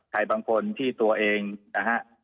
ใครบางคนที่ตัวเองนะฮะ